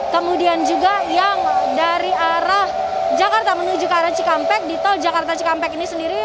kemudian juga yang dari arah jakarta menuju ke arah cikampek di tol jakarta cikampek ini sendiri